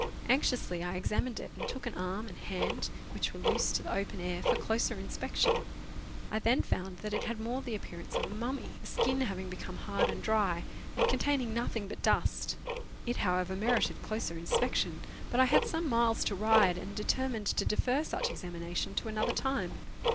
Anxiously I examined it, and took an arm and hand, which were loose, to the open air for closer inspec tion. I then found that it had more the appearance of a mummy, the skin having become hard and dry, and containing nothing but dust. It however merited closer inspection, but I had some miles to ride, and determined to defer such examination to another time.